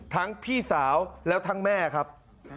พี่สาวแล้วทั้งแม่ครับ